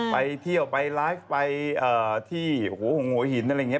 ไปเที่ยวไปไลฟ์ไปที่หัวหินอะไรอย่างนี้